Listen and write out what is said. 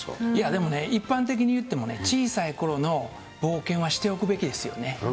でもね、一般的に言っても小さいころの冒険はしておくべきですよね。